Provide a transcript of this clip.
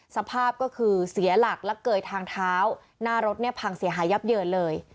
สภาพก็คือเสียหลักและเกยทางเท้าหน้ารถเนี่ยพังเสียหายยับเยินเลย